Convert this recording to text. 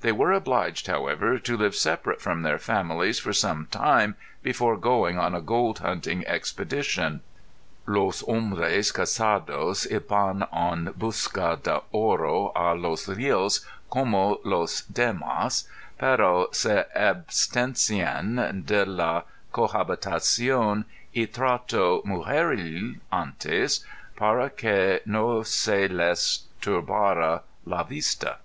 They were obliged however, to live separate from their families for some time before going on a gold hunting expedition. "Los hombres casados iban en busca de oro ├Ī los r├Łos como los dem├Īs, pero se absten├Łan de la cohabitaci├│n y trato mujeril antes, para que no se les turbara la vista".